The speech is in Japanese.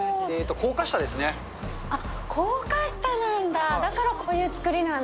高架下なんだ。